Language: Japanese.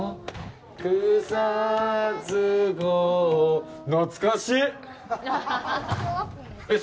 草津校懐かしっ。